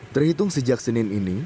terhitung sejak senin ini